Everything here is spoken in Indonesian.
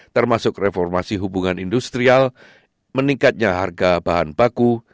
termasuk reformasi hubungan industrial meningkatnya harga bahan baku